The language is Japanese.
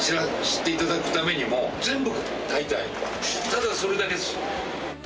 ただそれだけです。